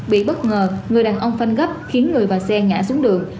bị bất ngờ người đàn ông phanh gấp khiến người và xe ngã xuống đường